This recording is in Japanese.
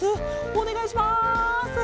おねがいします。